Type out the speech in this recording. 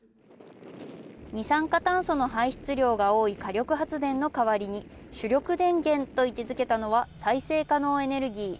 二酸化炭素の排出量が多い火力発電の代わりに主力電源と位置付けたのは再生可能エネルギー。